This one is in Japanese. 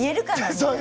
そう。